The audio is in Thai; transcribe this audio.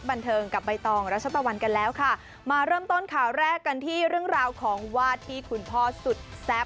บันเทิงกับใบตองรัชตะวันกันแล้วค่ะมาเริ่มต้นข่าวแรกกันที่เรื่องราวของวาดที่คุณพ่อสุดแซ่บ